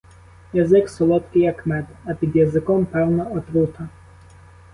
Язик солодкий, як мед, а під язиком, певно, отрута!